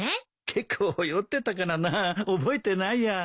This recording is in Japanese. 結構酔ってたからな覚えてないや。